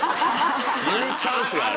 言うチャンスがある。